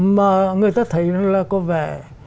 mà người ta thấy là có vẻ